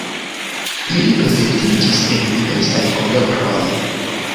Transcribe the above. Ili prezentiĝis en diversaj koloroj.